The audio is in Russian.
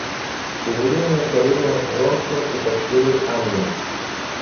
Примирение Каренина с Вронским у постели Анны.